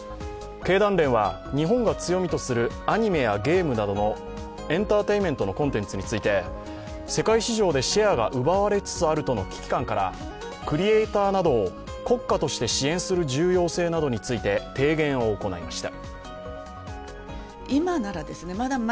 経団連は日本が強みとするアニメやゲームなどのエンターテインメントのコンテンツについて世界市場でシェアが奪われつつあるとの危機感からクリエーターなどを国家として支援する重要性などについて提言を行いました。